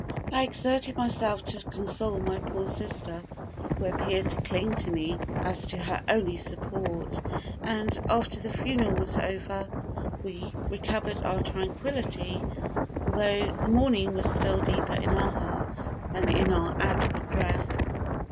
I exerted myself to console my poor sister, who appeared to cling to me as to her only support, and, after the funeral was over, we recovered our tranquillity, although the mourning was still deeper in our hearts than in our outward dress.